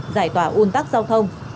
giải tỏa ủn tắc giao thông